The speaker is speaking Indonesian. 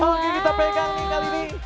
oke kita pegang nih kali ini